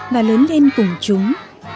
và lớn lên cùng chúng